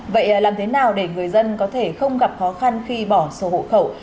vậy làm thế nào để người dân có thể không gặp khó khăn khi bỏ sổ hộ khẩu